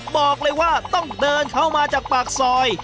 บอกเลยว่าต้องเดินเข้ามาจากปากซอย